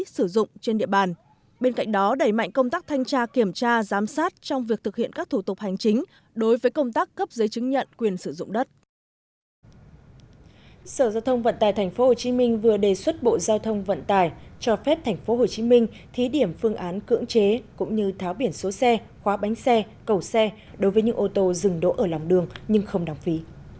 sở giao thông vận tài tp hcm vừa đề xuất bộ giao thông vận tài cho phép tp hcm thí điểm phương án cưỡng chế cũng như tháo biển số xe khóa bánh xe cầu xe đối với những ô tô dừng đỗ ở lòng đường nhưng không đọng phí